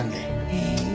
へえ。